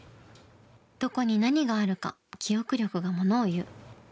どこに何があるか記憶力がものをいう。